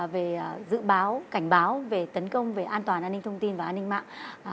về dự báo cảnh báo về tấn công về an toàn an ninh thông tin và an ninh mạng